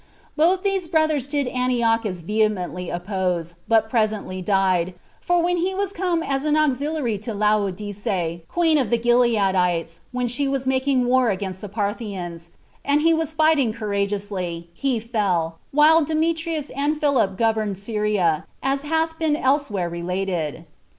Both these brothers did Antiochus vehemently oppose, but presently died; for when he was come as an auxiliary to Laodice, queen of the Gileadites, 38 when she was making war against the Parthians, and he was fighting courageously, he fell, while Demetrius and Philip governed Syria, as hath been elsewhere related.